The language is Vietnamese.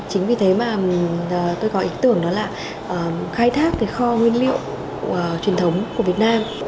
chính vì thế mà tôi có ý tưởng đó là khai thác cái kho nguyên liệu truyền thống của việt nam